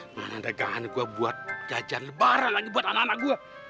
gimana dagangan gue buat jajan lebaran lagi buat anak anak gue